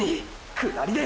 下りで！！